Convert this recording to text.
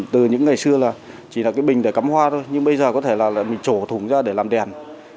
từ những ngày xưa là chỉ là cái bình để cắm hoa thôi nhưng bây giờ có thể là mình trổ thùng ra để làm đèn